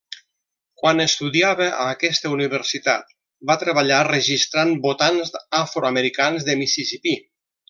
Quan estudiava a aquesta universitat, va treballar registrant votants afroamericans de Mississipí.